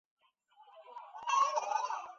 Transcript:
原作为大友克洋的同名短篇漫画。